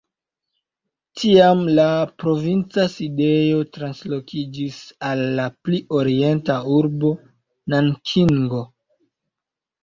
Tiam la provinca sidejo translokiĝis al la pli orienta urbo Nankingo.